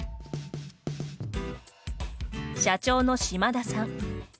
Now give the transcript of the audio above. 社長の島田さん。